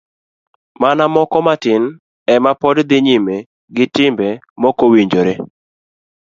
Mana moko matin ema pod dhi nyime gi timbe mokowinjore.